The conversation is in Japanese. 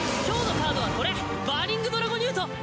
今日のカードはこれバーニングドラゴニュート。